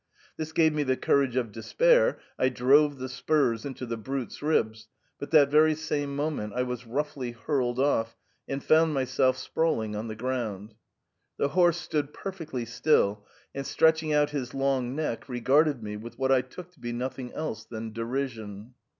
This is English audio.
This gave me the courage of despair, I drove the spurs into the brute's ribs, but that very same moment I was roughly hurled off and found my self sprawling on the ground. The horse stood per fectly still, and, stretching out his. long neck, regarded me with what I took to be nothing else than derision.